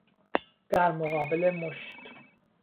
در مقابل مشت